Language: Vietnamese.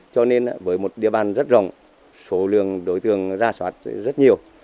cho nên với một địa bàn rất rộng số lượng đối tượng ra soát rất nhiều